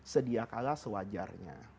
sedia kala sewajarnya